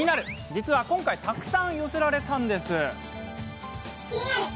実は今回たくさん寄せられたんです。